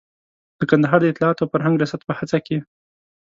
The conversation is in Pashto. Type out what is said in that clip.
د کندهار د اطلاعاتو او فرهنګ ریاست په هڅه کې.